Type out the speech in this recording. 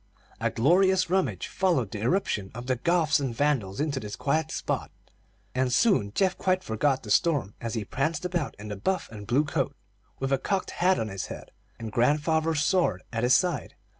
A glorious rummage followed the irruption of the Goths and Vandals into this quiet spot, and soon Geoff quite forgot the storm as he pranced about in the buff and blue coat, with a cocked hat on his head, and grandfather's sword at his side.